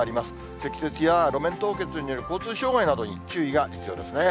積雪や路面凍結による交通障害などに注意が必要ですね。